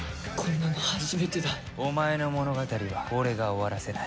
お前の物語は俺が終わらせない。